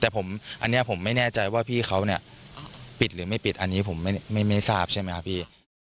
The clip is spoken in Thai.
แต่ผมอันนี้ผมไม่แน่ใจว่าพี่เขาเนี่ยปิดหรือไม่ปิดอันนี้ผมไม่ทราบใช่ไหมครับพี่